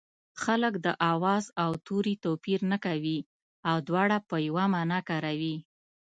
خلک د آواز او توري توپیر نه کوي او دواړه په یوه مانا کاروي